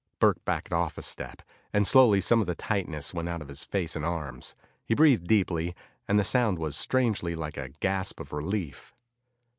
Burke backed off a step, and slowly some of the tightness went out of his face and arms. He breathed deeply, and the sound was strangely like a gasp of relief.